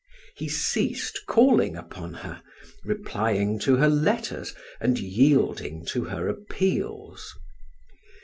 He ceased calling upon her, replying to her letters, and yielding to her appeals.